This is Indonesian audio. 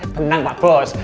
tenang pak bos